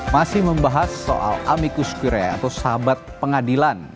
masih membahas soal amikus kurea atau sahabat pengadilan